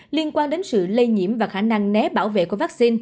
liên quan đến sự lây nhiễm và khả năng nghiên cứu